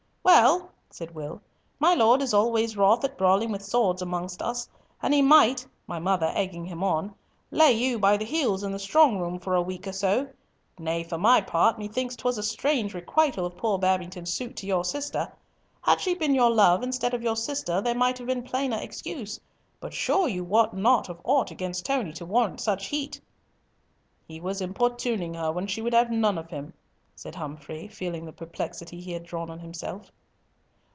"Well," said Will, "my Lord is always wroth at brawling with swords amongst us, and he might—my mother egging him on—lay you by the heels in the strong room for a week or so. Nay, for my part, methinks 'twas a strange requital of poor Babington's suit to your sister! Had she been your love instead of your sister there might have been plainer excuse, but sure you wot not of aught against Tony to warrant such heat." "He was importuning her when she would have none of him," said Humfrey, feeling the perplexity he had drawn on himself.